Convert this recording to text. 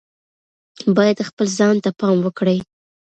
باید خپل ځان ته پام وکړي.